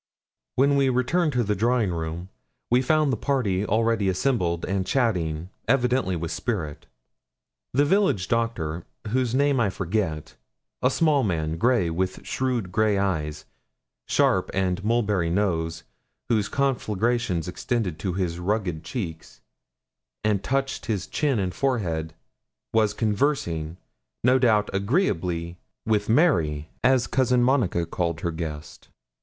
When we returned to the drawing room, we found the party already assembled, and chatting, evidently with spirit. The village doctor, whose name I forget, a small man, grey, with shrewd grey eyes, sharp and mulberry nose, whose conflagration extended to his rugged cheeks, and touched his chin and forehead, was conversing, no doubt agreeably, with Mary, as Cousin Monica called her guest.